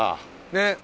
ねっ。